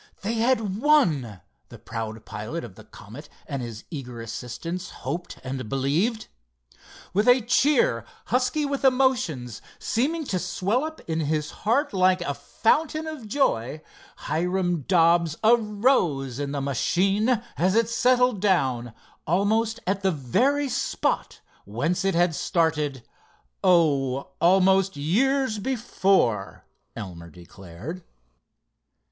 They had won, the proud pilot of the Comet and his eager assistants hoped and believed. With a cheer, husky with emotions, seeming to swell up in his heart like a fountain of joy, Hiram Dobbs arose in the machine as it settled down almost at the very spot whence it had started—"oh, almost years before!" Elmer declared.